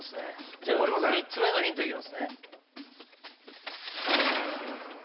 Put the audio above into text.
じゃあ３つ目のヒントいきますね